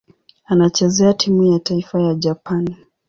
Anachezea timu ya taifa ya Japani.